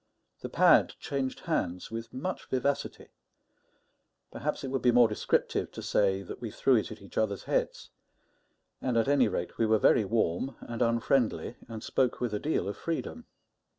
The pad changed hands with much vivacity; perhaps it would be more descriptive to say that we threw it at each other's heads; and, at any rate, we were very warm and unfriendly, and spoke with a deal of freedom.